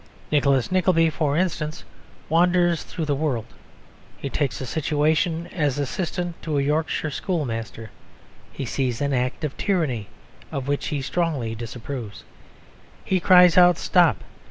Nicholas Nickleby, for instance, wanders through the world; he takes a situation as assistant to a Yorkshire schoolmaster; he sees an act of tyranny of which he strongly disapproves; he cries out "Stop!"